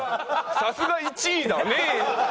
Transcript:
「さすが１位だね！」。